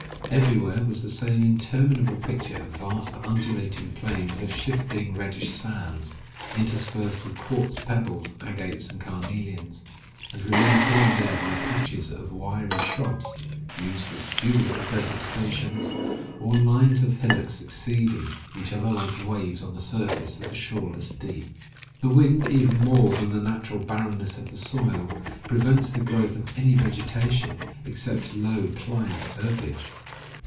Everywhere was the same interminable picture of vast undulating plains of shifting reddish sands, interspersed with quartz pebbles, agates, and carnelians, and relieved here and there by patches of wiry shrubs, used as fuel at the desert stations, or lines of hillocks succeeding each other like waves on the surface of the shoreless deep. The wind, even more than the natural barrenness of the soil, prevents thegrowthof any vegetation except low, pliant herbage.